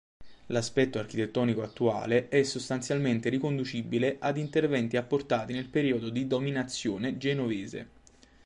L'aspetto architettonico attuale è sostanzialmente riconducibile ad interventi apportati nel periodo di dominazione genovese.